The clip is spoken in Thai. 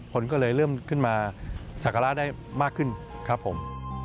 ผลก็เลยเริ่มขึ้นมาศักราชได้มากขึ้นครับ